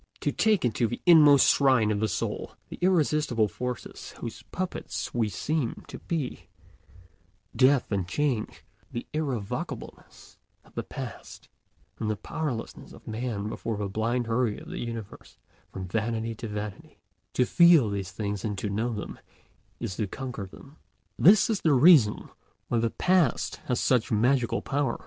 To take into the inmost shrine of the soul the irresistible forces whose puppets we seem to be—Death and change, the irrevocableness of the past, and the powerlessness of man before the blind hurry of the universe from vanity to vanity—to feel these things and know them is to conquer them. This is the reason why the Past has such magical power.